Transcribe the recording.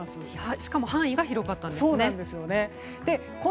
しかも範囲が広かったんですよね。